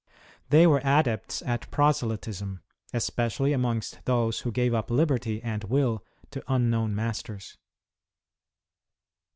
They were adepts at proselytism, especially amongst those who gave up liberty and will to unknown masters.